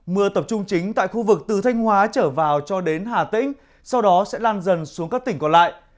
mưa tập trung chính tại khu vực từ thanh hóa trở vào cho đến hà tĩnh sau đó sẽ lan dần xuống các tỉnh còn lại